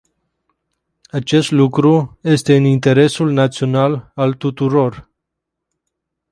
Acest lucru este în interesul național al tuturor.